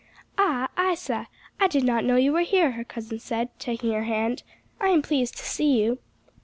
"Ah, Isa, I did not know you were here," her cousin said taking her hand. "I am pleased to see you."